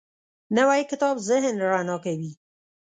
نوی کتاب ذهن رڼا کوي